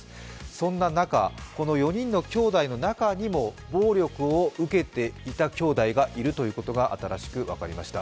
そんな中、この４人のきょうだいの中にも暴力を受けていたきょうだいがいることが新しく分かりました。